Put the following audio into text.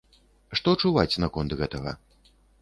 Што чуваць наконт гэтага?